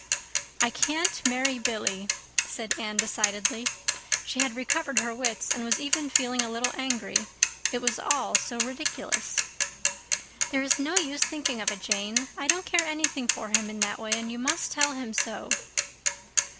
"I can't marry Billy," said Anne decidedly. She had recovered her wits, and was even feeling a little angry. It was all so ridiculous. "There is no use thinking of it, Jane. I don't care anything for him in that way, and you must tell him so."